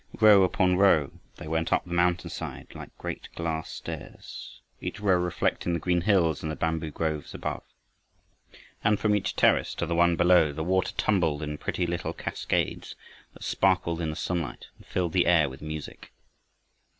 Row above row, they went up the mountainside, like a great glass stairs, each row reflecting the green hills and the bamboo groves above. And from each terrace to the one below, the water tumbled in pretty little cascades that sparkled in the sunlight and filled the air with music.